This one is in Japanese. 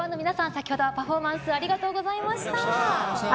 先ほどはパフォーマンスありがとうございました。